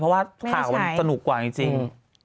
เพราะว่าข่าวมันสนุกกว่าจริง